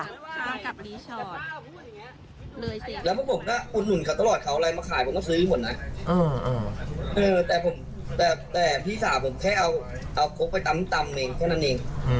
พี่สาวผมแค่เอาโค๊กไปตำเองเท่านั้นเอง